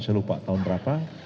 saya lupa tahun berapa